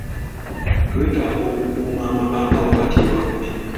Twetaaga okukuuma amabanga wakati waffe.